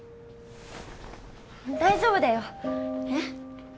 大丈夫だよ。え？